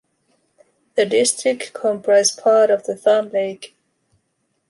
The district comprise part of the Thun Lake.